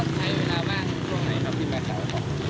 แล้วใช้เวลามากตรงไหนครับพี่แม่ขาว